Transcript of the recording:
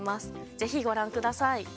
ぜひご覧ください。